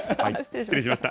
失礼しました。